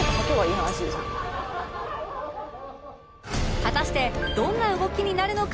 果たしてどんな動きになるのか？